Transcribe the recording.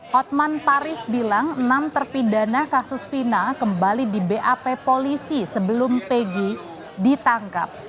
hotman paris bilang enam terpidana kasus fina kembali di bap polisi sebelum pegi ditangkap